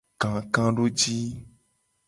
Kakadoji.